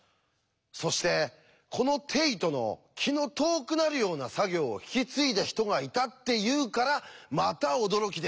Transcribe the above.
そしてこのテイトの気の遠くなるような作業を引き継いだ人がいたっていうからまた驚きです。